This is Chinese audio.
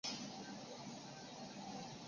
二甲基亚砜是常用的溶剂。